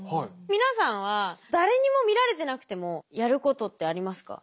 皆さんは誰にも見られてなくてもやることってありますか？